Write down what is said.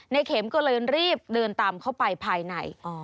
เข็มก็เลยรีบเดินตามเข้าไปภายใน